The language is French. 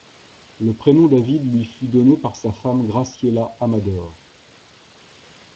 Le prénom David lui fut donné par sa femme Graciela Amador.